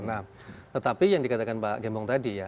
nah tetapi yang dikatakan pak gembong tadi ya